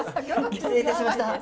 失礼いたしました！